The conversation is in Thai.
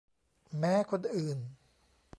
แม้คนอื่น